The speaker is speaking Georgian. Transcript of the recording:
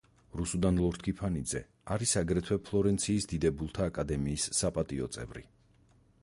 რუსუდან ლორთქიფანიძე არის აგრეთვე ფლორენციის დიდებულთა აკადემიის საპატიო წევრი.